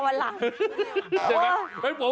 กลับเขาเอาล่ะ